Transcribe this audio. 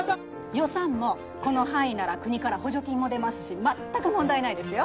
予算もこの範囲なら国から補助金も出ますし全く問題ないですよ。